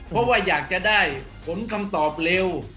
เพราะว่าอยากจะได้ผลคำตอบเร็ว